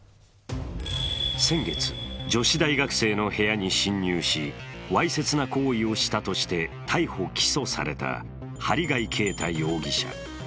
先月、女子大学生の部屋に侵入しわいせつな行為をしたとして逮捕・起訴された針谷啓太容疑者。